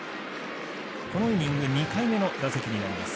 このイニング２回目の打席になります。